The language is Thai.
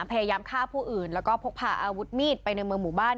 พยายามฆ่าผู้อื่นแล้วก็พกพาอาวุธมีดไปในเมืองหมู่บ้าน